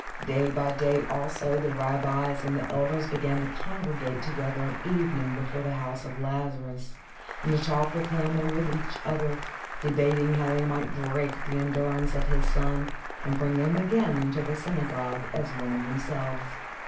Day by day, also, the rabbis and the elders began to congregate together at evening before the house of Lazarus and to talk with him and with each other, debating how they might break the endurance of his son and bring him again into the synagogue as one of themselves.